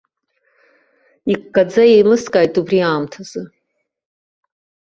Иккаӡа иеилыскааит убри аамҭазы.